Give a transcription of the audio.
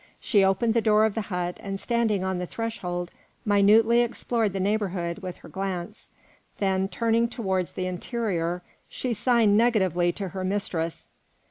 She opened the door of the hut and standing on the threshold minutely explored the neighbourhood with her glance; then turning towards the interior, she signed negatively to her mistress.